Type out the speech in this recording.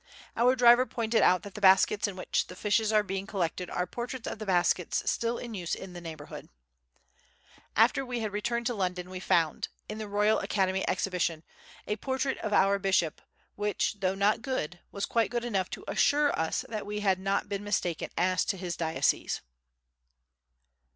Our driver pointed out that the baskets in which the fishes are being collected are portraits of the baskets still in use in the neighbourhood. After we had returned to London we found, in the Royal Academy Exhibition, a portrait of our bishop which, though not good, was quite good enough to assure us that we had not been mistaken as to his diocese.